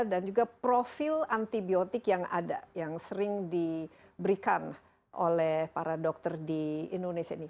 dan juga profil antibiotik yang ada yang sering diberikan oleh para dokter di indonesia ini